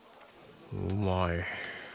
うまい。